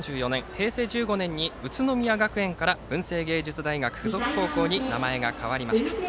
平成１５年に宇都宮学園から文星芸術大学付属高校に名前が変わりました。